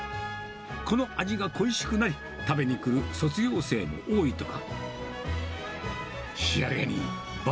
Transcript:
この味が恋しくなり、食べに来る卒業生も多いとか。